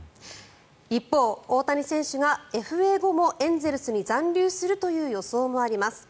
一方、大谷選手がＦＡ後もエンゼルスに残留するという予想があります。